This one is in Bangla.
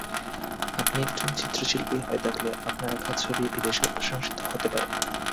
আপনি একজন চিত্রশিল্পী হয়ে থাকলে আপনার আঁকা ছবি বিদেশেও প্রশংসিত হতে পারে।